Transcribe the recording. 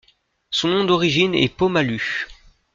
Son nom d'origine est Paumalū.